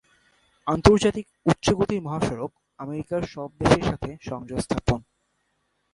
আন্তর্জাতিক উচ্চ গতির মহাসড়ক আমেরিকা সব দেশের সাথে সংযোগ স্থাপন।